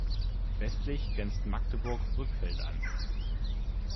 Westlich grenzt Magdeburg-Brückfeld an.